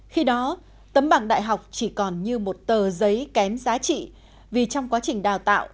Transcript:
khi đó tấm bằng đại học chỉ còn như một tờ giấy kém giá trị vì trong quá trình đào tạo